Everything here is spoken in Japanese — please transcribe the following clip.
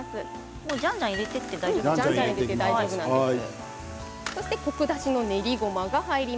じゃんじゃん入れていって大丈夫ですか？